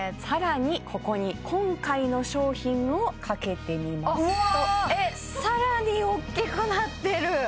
更にここに今回の商品をかけてみますとうわえっ更に大きくなってる